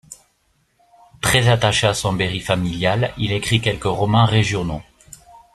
Très attaché à son Berry familial, il écrit quelques romans régionaux.